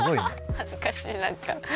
恥ずかしいなんか。